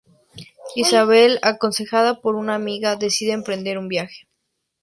Isabel aconsejada por una amiga, decide emprender un viaje.